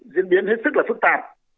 diễn biến hết sức là phức tạp